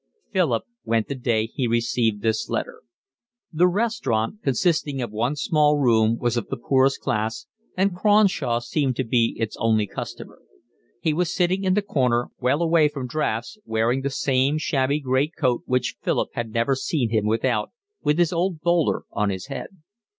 Philip went the day he received this letter. The restaurant, consisting of one small room, was of the poorest class, and Cronshaw seemed to be its only customer. He was sitting in the corner, well away from draughts, wearing the same shabby great coat which Philip had never seen him without, with his old bowler on his head.